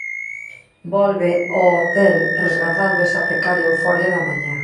Volve ó hotel resgardando esa precaria euforia da mañá.